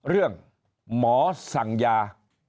เรื่องหมอสั่งยา